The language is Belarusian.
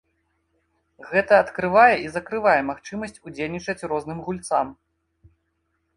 Гэта адкрывае і закрывае магчымасць удзельнічаць розным гульцам.